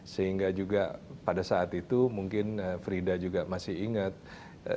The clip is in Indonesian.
sehingga juga pada saat itu mungkin frida juga masih berada di new york